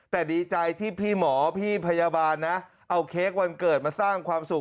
แต่ดีใจที่พี่หมอพี่พยาบาลนะเอาเค้กวันเกิดมาสร้างความสุข